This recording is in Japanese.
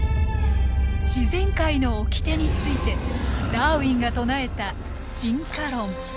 自然界の掟についてダーウィンが唱えた進化論。